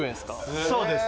そうです。